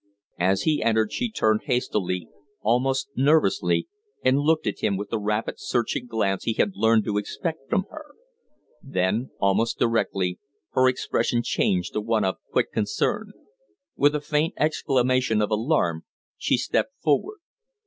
As he entered she turned hastily, almost nervously, and looked at him with the rapid, searching glance he had learned to expect from her; then, almost directly, her expression changed to one of quick concern. With a faint exclamation of alarm she stepped forward.